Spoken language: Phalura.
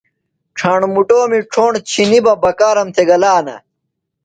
ڇھاݨ مُٹومی ڇھوݨ چِھنی بہ بکارم تھےۡ گلانہ۔